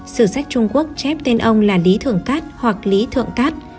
sử sách trung quốc chép tên ông là lý thưởng cát hoặc lý thượng cát